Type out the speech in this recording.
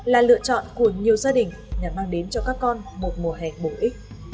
là lựa chọn của nhiều gia đình nhằm mang đến cho các con một mùa hè bổ ích